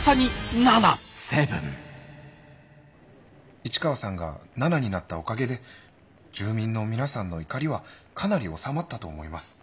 市川さんが７になったおかげで住民の皆さんの怒りはかなり収まったと思います。